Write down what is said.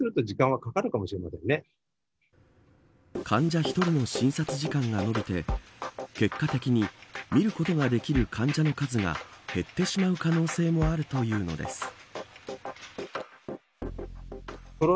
患者１人の診察時間が延びて結果的にみることができる患者の数が減ってしまう可能性もあるというのです。